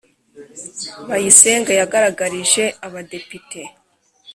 bayisenge yagaragarije abadepite